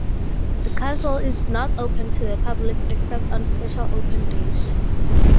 The castle is not open to the public except on special open days.